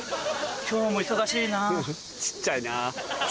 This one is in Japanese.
今日も忙しいな。